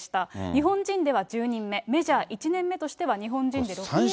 日本人では１０人目、メジャー１年目としては、日本人で６人目ということです。